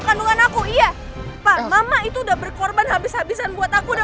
kandungan aku iya pak mama itu udah berkorban habis habisan buat aku udah